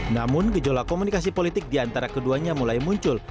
namun gejolak komunikasi politik di antara keduanya mulai muncul